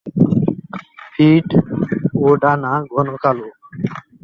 পিঠ এবং ডানা ঘন কালো।